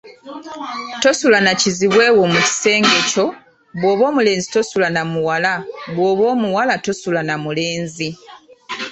Tosula na kizibwe wo mu kisengekyo, bw’oba omulenzi tosula namuwala, bw’oba omuwala tosula namulenzi.